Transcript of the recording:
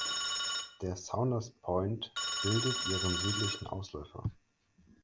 Der Saunders Point bildet ihren südlichen Ausläufer.